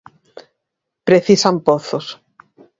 Precisan pozos.